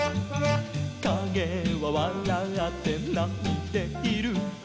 「かげはわらって泣いている」